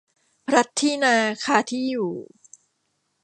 พลัดที่นาคาที่อยู่